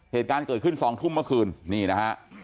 เหตุการณ์เกิดขึ้น๒ทุ่มเมื่อคืนนี่นะฮะ